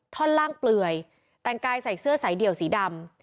ท่อนล่างเปลือยแต่งกายใส่เสื้อสายเดี่ยวสีดำ